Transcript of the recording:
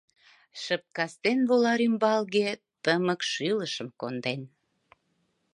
Шып кастен вола рӱмбалге, Тымык шӱлышым конден.